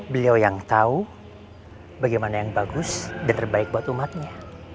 beliau yang tahu bagaimana yang bagus dan terbaik buat umatnya